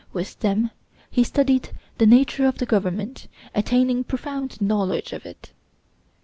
With them he studied the nature of the government, attaining profound knowledge of it.